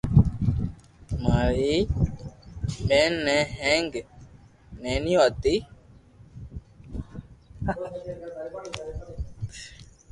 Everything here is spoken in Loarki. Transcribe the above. ماري ٻآن ني ھيک ديديو ھتي